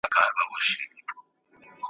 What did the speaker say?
په ښو مي یاد کړی زړو، زلمیانو `